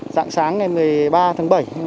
dạng sáng ngày một mươi ba tháng bảy hai mươi một